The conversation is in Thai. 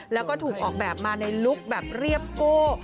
แล้วก็ถูกออกแบบมาในลุคแบบเรียบโก้